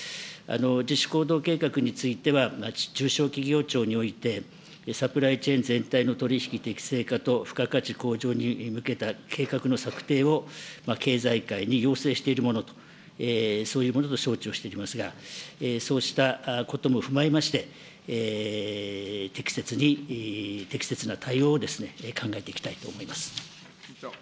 自主行動計画については、中小企業庁において、サプライチェーン全体の取り引き適正化と付加価値向上に向けた計画の策定を経済界に要請しているものと、そういうものと承知をしておりますが、そうしたことも踏まえまして、適切に、適切な対応を考えていきたいと思います。